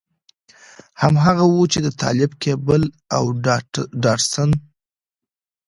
هماغه و چې د طالب کېبل او ډاټسن.